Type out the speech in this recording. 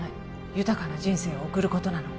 豊かな人生を送ることなの